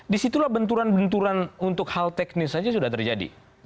disitulah benturan benturan untuk hal teknis saja sudah terjadi